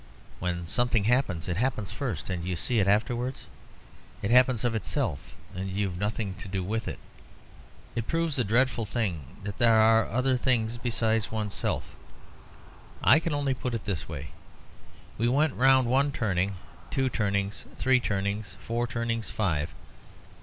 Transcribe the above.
When something happens, it happens first, and you see it afterwards. It happens of itself, and you have nothing to do with it. It proves a dreadful thing that there are other things besides one's self. I can only put it in this way. We went round one turning, two turnings, three turnings, four turnings, five.